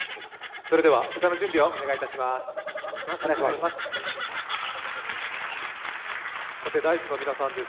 歌の準備をお願いいたします。